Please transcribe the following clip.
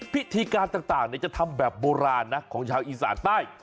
พิธีการต่างจะทำแบบโบราณนะของชาวอีสานใต้